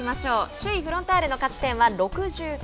首位フロンターレの勝ち点は、６９。